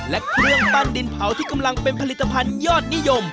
และเครื่องปั้นดินเผาที่กำลังเป็นผลิตภัณฑ์ยอดนิยม